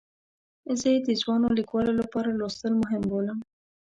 زه یې د ځوانو لیکوالو لپاره لوستل مهم بولم.